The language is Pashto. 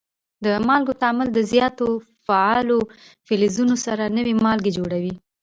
د مالګو تعامل د زیاتو فعالو فلزونو سره نوي مالګې جوړوي.